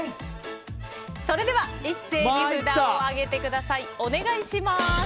それでは一斉に札を上げてください。